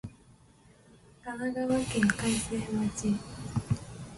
神奈川県開成町